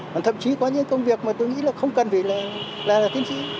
mà thậm chí có những công việc mà tôi nghĩ là không cần phải là